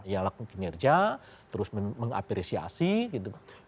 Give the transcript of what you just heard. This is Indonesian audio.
ya lakukan kinerja terus mengapresiasi gitu